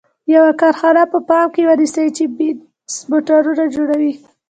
یوه کارخانه په پام کې ونیسئ چې بینز موټرونه جوړوي.